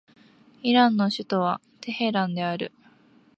イランの首都はテヘランである